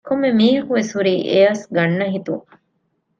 ކޮންމެ މީހަކު ވެސް ހުރީ އެއަސް ގަންނަހިތުން